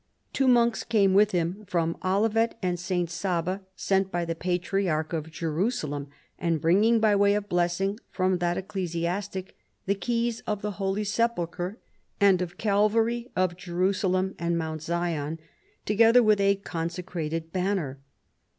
Two monks came with him, from Olivet and St. Saba, sent by the Patriarch of Jerusalem, and bring ing by way of blessing from that ecclesiastic the keys of the Holy Sepulchre and of Calvary, of Jerusalem and Mount Zion, together with a con secrated banner.